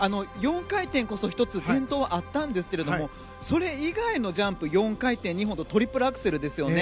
４回転こそ１つ転倒あったんですけれどもそれ以外のジャンプ４回転２本とトリプルアクセル。